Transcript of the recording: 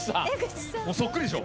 そっくりでしょ？